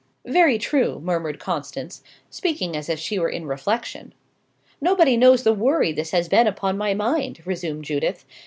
"Very true," murmured Constance, speaking as if she were in reflection. "Nobody knows the worry this has been upon my mind," resumed Judith.